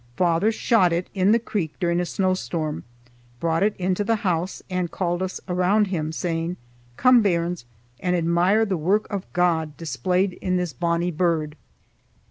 Father shot it in the creek during a snowstorm, brought it into the house, and called us around him, saying: "Come, bairns, and admire the work of God displayed in this bonnie bird.